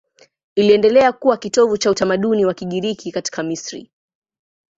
Iliendelea kuwa kitovu cha utamaduni wa Kigiriki katika Misri.